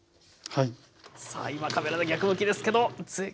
さあ今カメラが逆向きですけど！